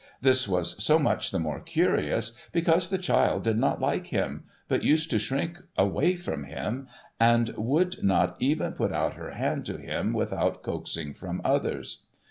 This w^as so much the more curious, because the child did not like him, but used to shrink away from him, and would not even put out her hand to him without coaxing from others.